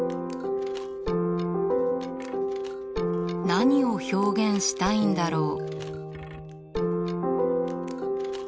何を表現したいんだろう？